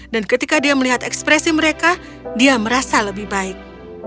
dan ketika dia melihat ekspresi mereka dia merasa lebih baik